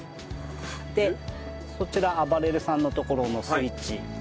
でそちらあばれるさんのところのスイッチ。